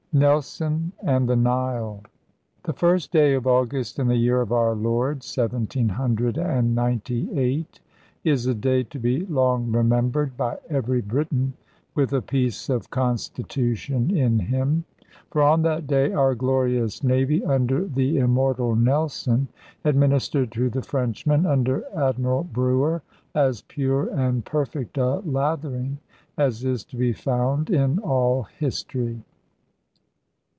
NELSON AND THE NILE. The first day of August in the year of our Lord 1798 is a day to be long remembered by every Briton with a piece of constitution in him. For on that day our glorious navy, under the immortal Nelson, administered to the Frenchmen, under Admiral Brewer, as pure and perfect a lathering as is to be found in all history.